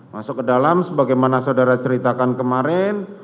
masuk ke dalam sebagaimana saudara ceritakan kemarin